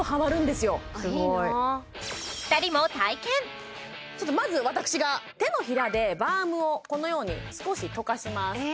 すごいちょっとまず私が手のひらでバームをこのように少し溶かします